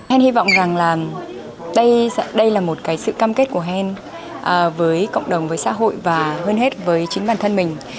hân hy vọng rằng là đây là một cái sự cam kết của hen với cộng đồng với xã hội và hơn hết với chính bản thân mình